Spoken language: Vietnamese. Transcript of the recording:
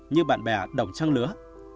như bạn bè đồng chăng lứa